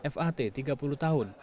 f a t tiga puluh tahun